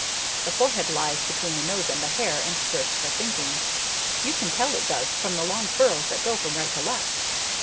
The forehead lies between the nose and the hair and serves for thinking. You can tell it does from the long furrows that go from right to left.